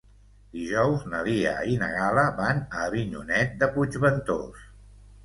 Dijous na Lia i na Gal·la van a Avinyonet de Puigventós.